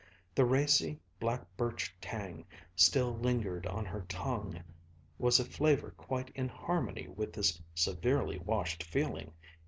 The racy, black birch tang still lingering on her tongue was a flavor quite in harmony with this severely washed feeling.